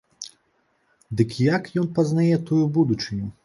Дык як ён пазнае тую будучыню?